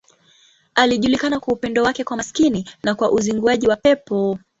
Alijulikana kwa upendo wake kwa maskini na kwa uzinguaji wa pepo.